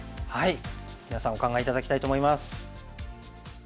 皆さんお考え頂きたいと思います。